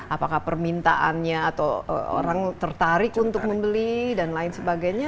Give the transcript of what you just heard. apakah permintaannya atau orang tertarik untuk membeli dan lain sebagainya